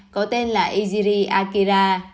có tên là iziri akira